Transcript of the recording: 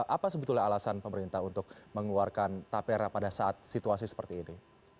apa sebetulnya alasan pemerintah untuk mengeluarkan tapera pada saat situasi seperti ini